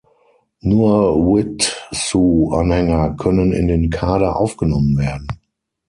Nur Widzew-Anhänger können in den Kader aufgenommen werden.